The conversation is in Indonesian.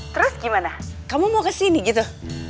terus gimana kamu mau kesini gitu